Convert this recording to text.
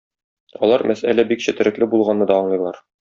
Алар мәсьәлә бик четерекле булганны да аңлыйлар.